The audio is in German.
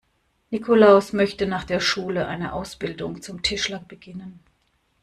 Nikolaus möchte nach der Schule eine Ausbildung zum Tischler beginnen.